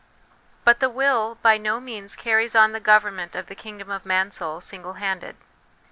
But the will by no means carries on the government of the kingdom of Mansoul single handed.